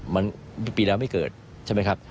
มันปีแล้วไม่เกิดใช่ไหมครับ